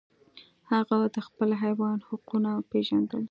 هغه د خپل حیوان حقونه پیژندل.